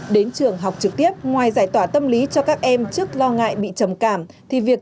đến trường học trực tiếp ngoài giải tỏa tâm lý cho các em trước lo ngại bị trầm cảm thì việc